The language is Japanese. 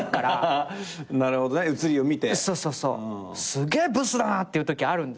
すっげえブスだなっていうときあるんですけど。